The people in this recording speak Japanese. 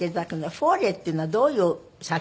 フォーレっていうのはどういう作曲家。